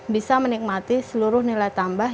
bisa menikmati seluruh nilai tambah